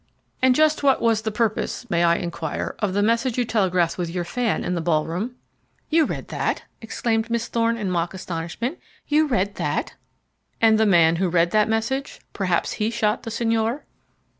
"And just what was the purpose, may I inquire, of the message you telegraphed with your fan in the ball room?" "You read that?" exclaimed Miss Thorne in mock astonishment. "You read that?" "And the man who read that message? Perhaps he shot the señor?"